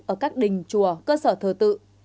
ở các đình chùa cơ sở thờ tự